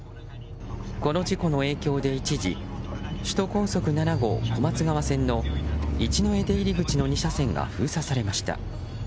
この事故の影響で一時首都高速７号小松川線の一之江出入口の２車線が封鎖されました。